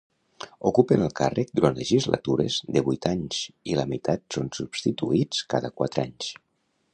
Ocupen el càrrec durant legislatures de vuit anys i la meitat són substituïts cada quatre anys.